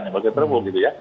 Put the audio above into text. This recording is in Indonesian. ini bagian terburu gitu ya